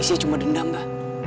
isinya cuma dendam bang